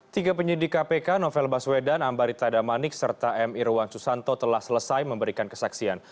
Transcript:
tiga penyidik kpk novel baswedan ambarita damanik serta m irwan susanto telah selesai memberikan kesaksian